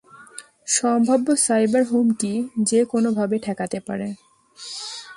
সম্ভাব্য সাইবার হুমকি যে কোনো ভাবে ঠেকাতে পারে।